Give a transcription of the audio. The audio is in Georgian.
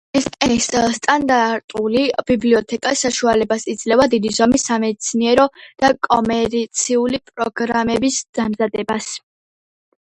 ოკამლის ენის სტანდარტული ბიბლიოთეკა საშუალებას იძლევა დიდი ზომის სამეცნიერო და კომერციული პროგრამების დამზადებას.